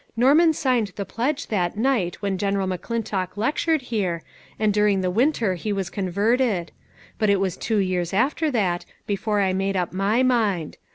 Norman signed the pledge that night when Gen eral McClintock lectured here, and during the winter he was converted ; but it was two years after that before I made up my mind.